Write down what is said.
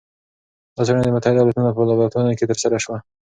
دا څېړنه د متحده ایالتونو په لابراتورونو کې ترسره شوه.